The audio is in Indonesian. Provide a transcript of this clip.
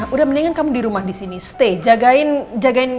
udah mendingan kamu di rumah di sini stay